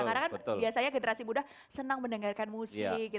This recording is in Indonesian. karena kan biasanya generasi muda senang mendengarkan musik